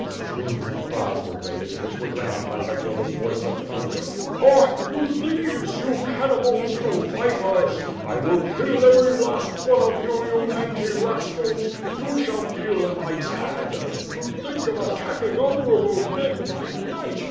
Screams and cries were raised, which were drowned by Zagloba's voice of thunder. "Ha! You thieves, you cannibles,.you vipers! I will kill every last one of you, you mangy rascals. You shall feel a knight's hand. To think of attacking honorable men by night!